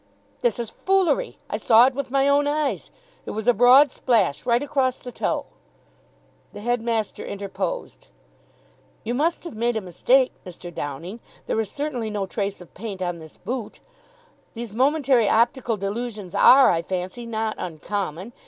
"This is foolery. I saw it with my own eyes. It was a broad splash right across the toe." The headmaster interposed. "You must have made a mistake, Mr. Downing. There is certainly no trace of paint on this boot. These momentary optical delusions are, I fancy, not uncommon.